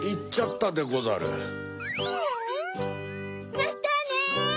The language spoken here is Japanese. またね！